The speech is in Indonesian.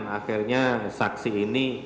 akhirnya saksi ini